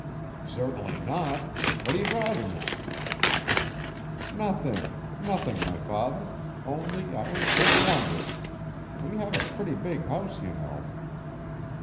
"Certainly not! What are you driving at?" "Nothing; nothing, my father. Only I was just wondering. We have a pretty big house, you know."